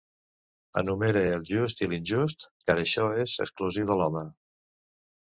Enumere el just i l'injust, car això és exclusiu de l'home.